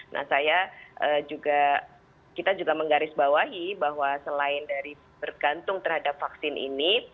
nah saya juga kita juga menggarisbawahi bahwa selain dari bergantung terhadap vaksin ini